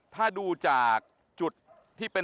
ถ้าดูจากจุดที่เป็น